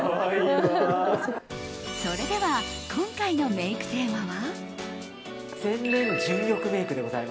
それでは今回のメイクテーマは？